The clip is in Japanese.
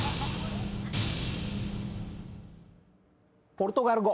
ポルトガル語。